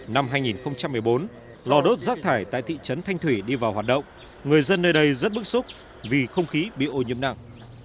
năm hai nghìn một mươi bốn lò đốt rác thải tại thị trấn thanh thủy đi vào hoạt động người dân nơi đây rất bức xúc vì không khí bị ô nhiễm nặng